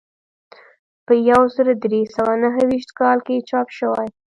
په یو زر درې سوه نهه ویشت کال کې چاپ شوی.